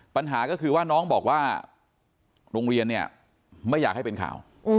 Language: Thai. ปัญหาก็คือว่าน้องบอกว่าโรงเรียนเนี่ยไม่อยากให้เป็นข่าว